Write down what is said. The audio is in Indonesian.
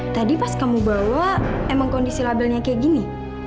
tadi pas kamu bawa emang kondisi labelnya kayak gini